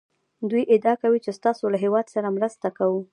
دوی ادعا کوي چې ستاسو له هېواد سره مرسته کوو